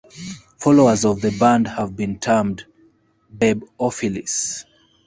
Followers of the band have been termed "Babeophiles".